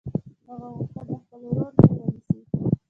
هغه غوښتل د خپل ورور ځای ونیسي